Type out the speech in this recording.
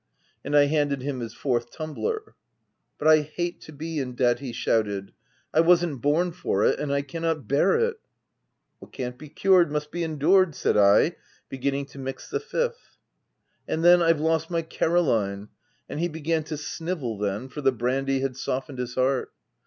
And I handed him his fourth tumbler. "' But I hate to be in debt V he shouted. 1 I wasn't born for it, and I cannot bear it !' "'What can't be cured must be endured,' said I, beginning to mix the fifth. "' And then, I've lost my Caroline/ And he began to snivel then, for the brandy had softened his heart.